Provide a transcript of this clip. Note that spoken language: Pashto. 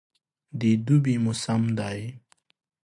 د دوبي موسم دی.